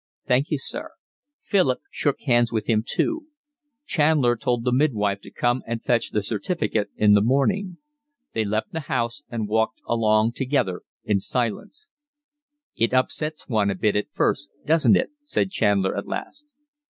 "Thank you, sir." Philip shook hands with him too. Chandler told the midwife to come and fetch the certificate in the morning. They left the house and walked along together in silence. "It upsets one a bit at first, doesn't it?" said Chandler at last.